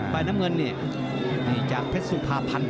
ฝ่ายน้ำเงินนี่นี่จากเพชรสุภาพันธ์